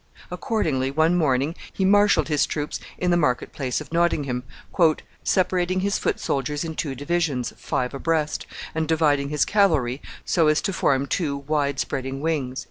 Accordingly, one morning, he marshaled his troops in the market place of Nottingham, "separating his foot soldiers in two divisions, five abreast, and dividing his cavalry so as to form two wide spreading wings."